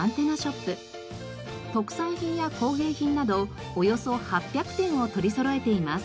特産品や工芸品などおよそ８００点を取りそろえています。